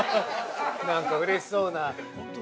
なんか、うれしそうな。